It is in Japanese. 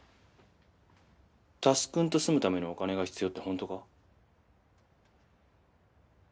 佑くんと住むためのお金が必要って本当か？